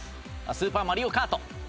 『スーパーマリオカート』。